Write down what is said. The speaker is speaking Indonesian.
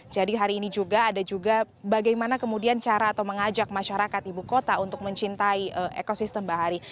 jadi hari ini juga ada juga bagaimana kemudian cara atau mengajak masyarakat ibu kota untuk mencintai ekosistem bahari